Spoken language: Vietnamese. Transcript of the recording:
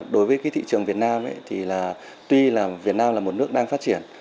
đối với thị trường việt nam tuy việt nam là một nước đang phát triển